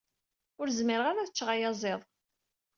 Ur zmireɣ ara ad ččeɣ ayaziḍ.